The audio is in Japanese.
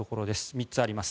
３つあります。